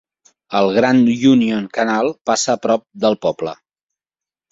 El Grand Union Canal passa a prop del poble.